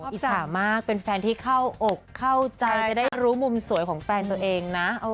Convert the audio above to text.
อิจฉามากเป็นแฟนที่เข้าอกเข้าใจจะได้รู้มุมสวยของแฟนตัวเองนะ